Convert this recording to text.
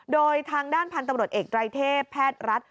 โดยทางด้านพันธุ์ตำรวจเอกไตรเทพแพทย์รัฐ